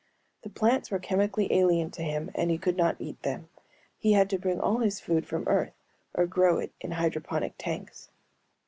The plants were chemically alien to him and he could not eat them; he had to bring all his food from Earth or grow it in hydroponic tanks.